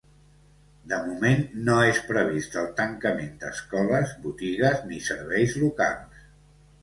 De moment, no és previst el tancament d’escoles, botigues ni serveis locals.